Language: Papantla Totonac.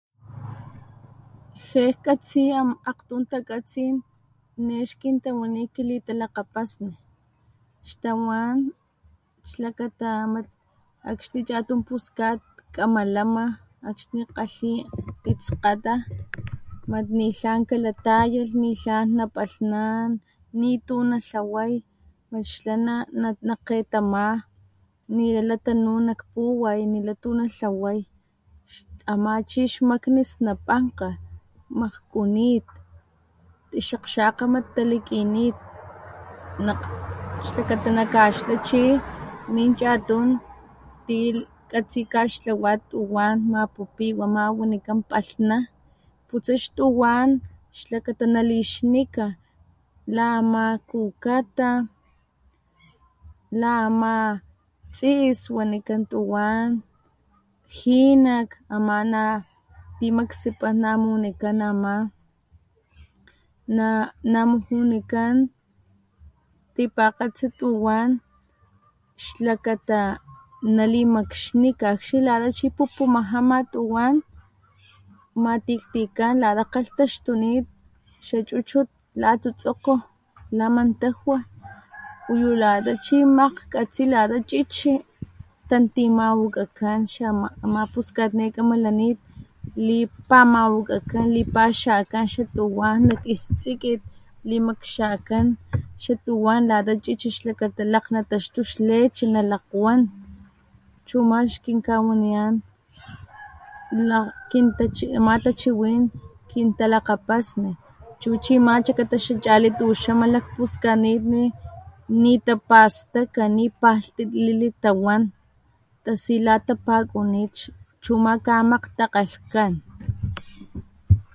Ge katsi akgtun takatsin ne xkintawani kilitalakgapasni tawan xlakata mat akxni chatun puskat k´amalama akxni kgalhi itskgata mat nitlan kalatayalh nitlan napalhnanan, nitu natlaway mat xla nakgetama nila latnuy nak puway nila tu natlaway ama chi xmakni snapankga, makkunit, ixakgxakga mat talakinit, xlakata nakaxtla chi min chatun ti kgatsi kaxtlawa tuwan mapupi wa ama wanikan palhna putsa xtuwan xlakata nalixnika la ama kukata, la ama tsiis wanikan tuwan , jinak ama timaktsipan namunikan ama, namujunikan tipakgatsi tuwan xlakata nalimakxnika akxni chi lat pupumaja ama tuwan matiktikan lata kgalhtxtunit xachuchut latsutsokgo la mantajwa uyu lata chi makgkgatsi lta chi´chi tantimawakakan ama puskat ne kamalanit lipamawakakan lipaxakan xatuwan nak ixtsikin limakxkan xatuwan lata chichi xlakata lakg nataxtu (xleche ) chu ama xkinkawaniyan ama tachiwin kintalakgapasni chu chi ama xlakata chali tuxama lakpuskanitni nitapastaka nipalhtilili tawan tasi latapakunit chu ama kamakgtakgalhkakan